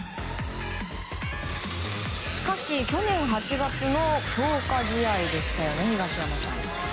しかし去年８月の強化試合でしたね、東山さん。